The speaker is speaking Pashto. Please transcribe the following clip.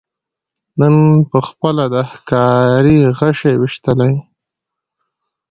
نن پخپله د ښکاري غشي ویشتلی